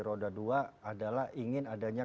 roda dua adalah ingin adanya